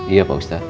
iya pak ustadz